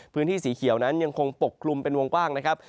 พื้นที่สีเขียวนั้นยังคงปกคลุมเป็นวงกว้างนะครับ